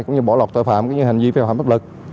cũng như bỏ lọc tội phạm hành vi vi phạm bất lực